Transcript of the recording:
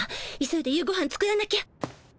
急いで夕ごはん作らなきゃ。